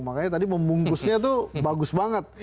makanya tadi membungkusnya tuh bagus banget